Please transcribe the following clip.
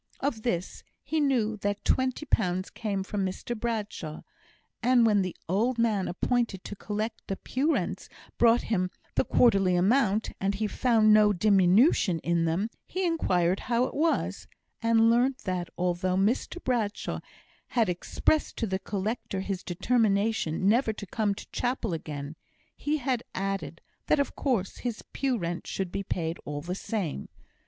Of this, he knew that twenty pounds came from Mr Bradshaw; and when the old man appointed to collect the pew rents brought him the quarterly amount, and he found no diminution in them, he inquired how it was, and learnt that, although Mr Bradshaw had expressed to the collector his determination never to come to chapel again, he had added, that of course his pew rent should be paid all the same.